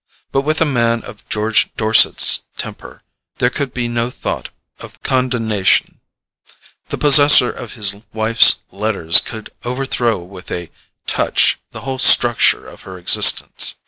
But with a man of George Dorset's temper there could be no thought of condonation—the possessor of his wife's letters could overthrow with a touch the whole structure of her existence.